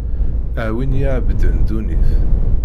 A win iɛebbden ddunit.